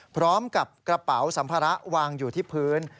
พร้อมกับกระเป๋าสัมภาระวางอยู่ที่พื้น